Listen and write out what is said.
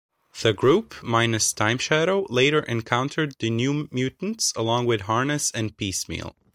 The group, minus Timeshadow, later encountered the New Mutants, along with Harness and Piecemeal.